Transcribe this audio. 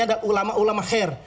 ada ulama ulama khair